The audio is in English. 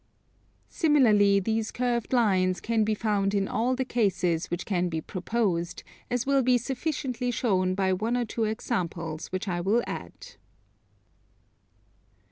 Similarly these curved lines can be found in all the cases which can be proposed, as will be sufficiently shown by one or two examples which I will add.